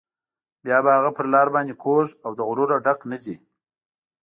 بیا به هغه پر لار باندې کوږ او له غروره ډک نه ځي.